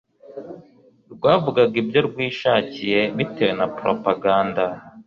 rwavugaga ibyo rwishakiye bitewe na propaganda,